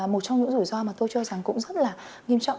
một trong những rủi ro mà tôi cho rằng cũng rất là nghiêm trọng